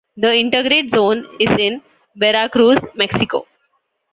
The intergrade zone is in Veracruz, Mexico.